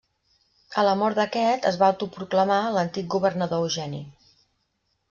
A la mort d'aquest es va autoproclamar, l'antic governador Eugeni.